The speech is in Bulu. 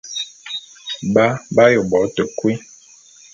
Ba b'aye bo te kui.